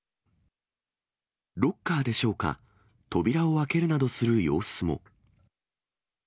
ロッカーでしょうか、扉を開けるなどする様子も。